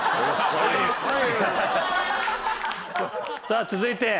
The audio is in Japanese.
さあ続いて。